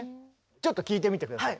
ちょっと聴いてみて下さい。